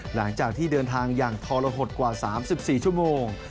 หลังจากที่เดินทางอย่างทรหดกว่า๓๔ชั่วโมง